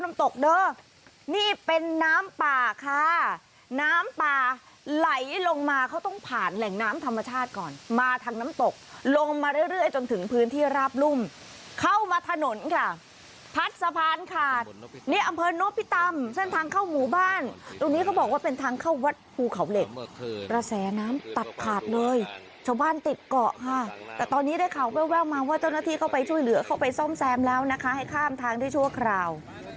นี่เป็นน้ำป่าค่ะน้ำป่าไหลลงมาเขาต้องผ่านแหล่งน้ำธรรมชาติก่อนมาทางน้ำตกลงมาเรื่อยจนถึงพื้นที่ราบรุ่มเข้ามาถนนค่ะพัดสะพานขาดนี่อำเภอโนพิตำเส้นทางเข้าหมู่บ้านตรงนี้เขาบอกว่าเป็นทางเข้าวัดภูเขาเหล็กกระแสน้ำตัดขาดเลยชาวบ้านติดเกาะค่ะแต่ตอนนี้ได้ข่าวแววมาว่าเจ้าหน้าที่เข้าไปช่วยเหลือเข้าไปซ่อมแซมแล้วนะคะให้ข้ามทางได้ชั่วคราว